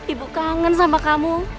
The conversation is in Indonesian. ibu kangen sama kamu